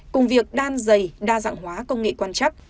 cùng việc đan dày đa dạng hóa công nghệ quan chắc